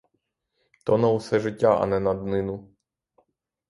То на усе життя, а не на днину.